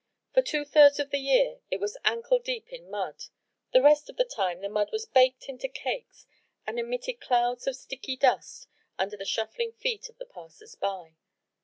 For two thirds of the year it was ankle deep in mud: the rest of the time the mud was baked into cakes and emitted clouds of sticky dust under the shuffling feet of the passers by.